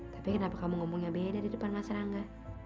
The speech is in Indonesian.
tapi kenapa kamu ngomongnya beda di depan mas rangga